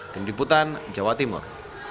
tim diputan jawa timur